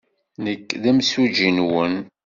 Nekk d imsujji-nwen.